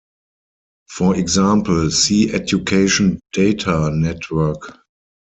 For example, see Education Data Network.